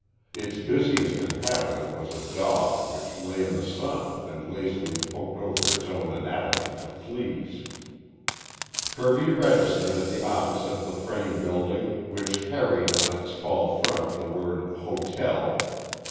Its busiest inhabitant was a dog which lay in the sun and lazily poked over its own anatomy for fleas. Kirby registered at the office of the frame building which carried on its false front the word HOTEL.